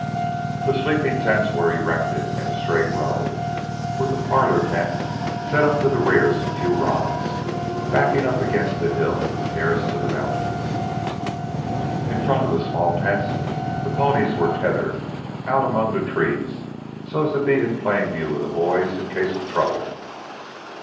The sleeping tents were erected in a straight row with the parlor tent set up to the rear some few rods, backing up against the hills nearest to the mountains. In front of the small tents the ponies were tethered out among the trees so as to be in plain view of the boys in case of trouble.